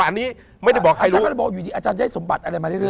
อันนี้ไม่ได้บอกใครรู้อาจารย์ก็ได้บอกอยู่ดีอาจารย์ได้สมบัติอะไรมาเรื่อยเรื่อย